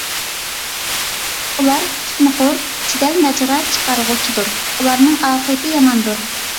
ئۇلار پىتنىخور، جېدەل - ماجىرا چىقارغۇچىدۇر. ئۇلارنىڭ ئاقىۋىتى ياماندۇر.